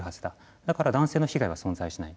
だから男性の被害は存在しない。